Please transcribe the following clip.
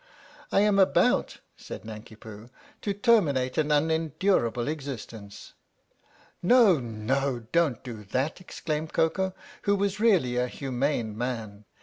" I am about," said Nanki Poo, " to terminate an unendurable existence." " No, no, don't do that," exclaimed Koko, who was really a humane man.